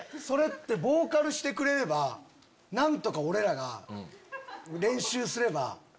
それってボーカルしてくれれば何とか俺らが練習すれば。